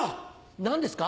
何ですか？